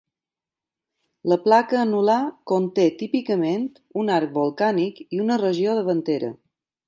La placa anular conté típicament un arc volcànic i una regió davantera.